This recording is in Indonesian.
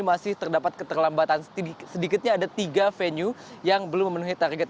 masih terdapat keterlambatan sedikitnya ada tiga venue yang belum memenuhi target